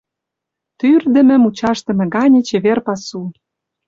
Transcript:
Тӱрдымӧ-мучашдыме гане чевер пасу!